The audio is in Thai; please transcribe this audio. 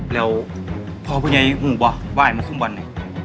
แล้วพ่อพุยายรู้ปะว่าอายานมาคุมบ่อนไง